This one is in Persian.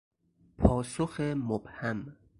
پاسخ مبهم